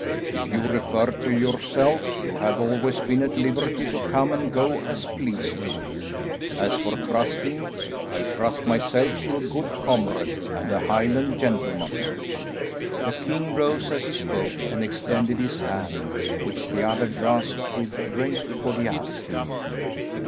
If you refer to yourself, you have always been at liberty to come and go as pleased you. As for trusting, I trust myself to a good comrade, and a Highland gentleman." The king rose as he spoke and extended his hand, which the other grasped with great cordiality.